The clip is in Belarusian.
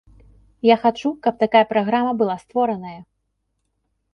Я хачу, каб такая праграма была створаная.